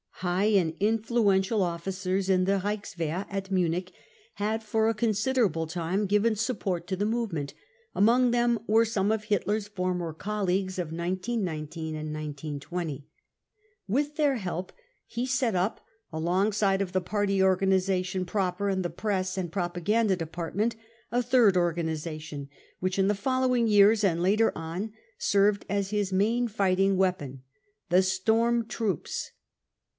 High and influential officers in the Reichswehr at Munich had for a considerable time given support to the movement ; among them were some of Hitler's former colleagues of 1919 and 1920. With their help he set up, alongside of the party organisation proper and the Press and propaganda department, a third organis ation, which in the following years and later on served as his main fighting c weapon : the storm troops.